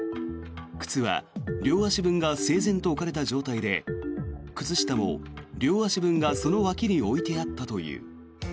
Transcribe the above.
靴は両足分が整然と置かれた状態で靴下も両足分がその脇に置いてあったという。